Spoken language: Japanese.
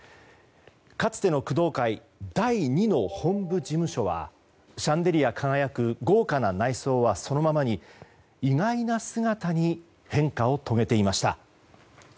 かつての工藤会第２の本部事務所はシャンデリア輝く豪華な内装はそのままに意外な姿に変化を遂げていました。